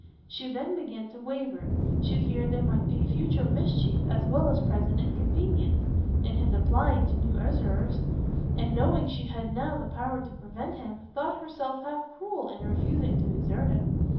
She then began to waver; she feared there might be future mischief as well as present inconvenience, in his applying to new usurers, and knowing she had now the power to prevent him, thought herself half cruel in refusing to exert it.